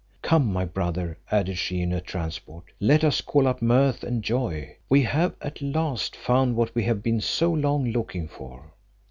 Come, my brother," added she in a transport, "let us call up mirth and joy; we have at last found what we have been so long looking for."